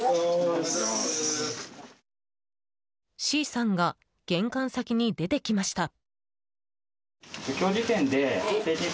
Ｃさんが玄関先に出てきました。